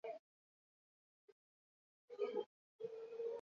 Motozikletak lurrera bota dituzte eta kontainerrei su eman diete.